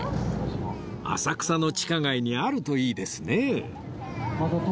浅草の地下街にあるといいですね